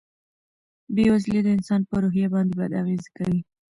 بېوزلي د انسان په روحیه باندې بد اغېز کوي.